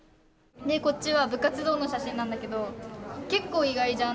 こっちは部活動の写真なんだけど、けっこう意外じゃん？